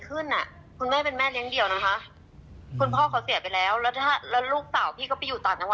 คุณแม่จะทำยังไงจะอยู่ยังไง